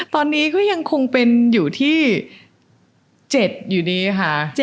ตอนนี้ก็ยังคงเป็นอยู่ที่๗อยู่ดีค่ะ